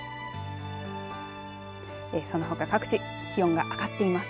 そのほか各地気温が上がっています。